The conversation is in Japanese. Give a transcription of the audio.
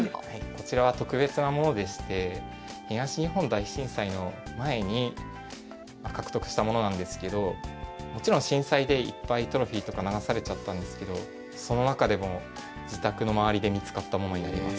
こちらは特別なものでして東日本大震災の前に獲得したものなんですけどもちろん震災でいっぱいトロフィーとか流されちゃったんですけどその中でも自宅の周りで見つかったものになります。